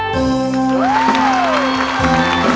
ขอบคุณค่ะ